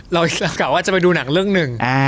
เรากะว่าจะไปดูหนังเรื่องหนึ่ง